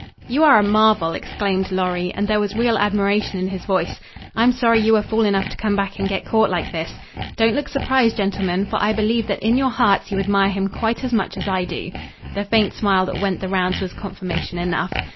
"You are a marvel!" exclaimed Lorry, and there was real admiration in his voice. "I'm sorry you were fool enough to come back and get caught like this. Don't look surprised, gentlemen, for I believe that in your hearts you admire him quite as much as I do." The faint smile that went the rounds was confirmation enough.